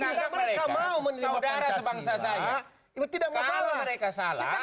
tidak mereka mau menerima pancasila